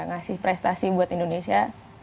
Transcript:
ngasih prestasi buat indonesia